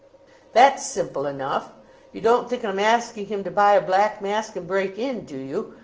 "That's simple enough. You don't think I'm asking him to buy a black mask and break in, do you?